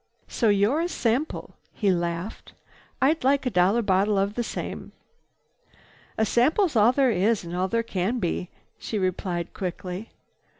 "So you're a sample." He laughed. "I'd like a dollar bottle of the same." "A sample's all there is and all there can be," she replied quickly.